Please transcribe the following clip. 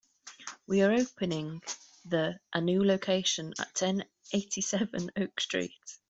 We are opening the a new location at ten eighty-seven Oak Street.